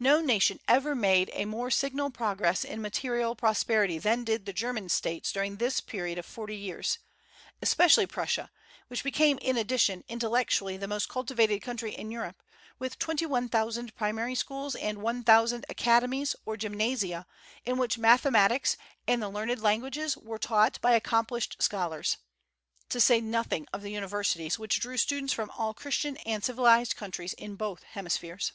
No nation ever made a more signal progress in material prosperity than did the German States during this period of forty years, especially Prussia, which became in addition intellectually the most cultivated country in Europe, with twenty one thousand primary schools, and one thousand academies, or gymnasia, in which mathematics and the learned languages were taught by accomplished scholars; to say nothing of the universities, which drew students from all Christian and civilized countries in both hemispheres.